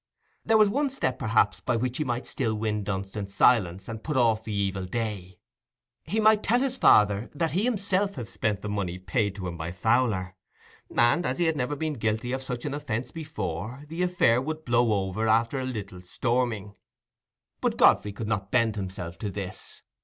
There was one step, perhaps, by which he might still win Dunstan's silence and put off the evil day: he might tell his father that he had himself spent the money paid to him by Fowler; and as he had never been guilty of such an offence before, the affair would blow over after a little storming. But Godfrey could not bend himself to this.